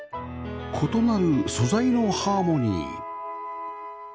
異なる素材のハーモニー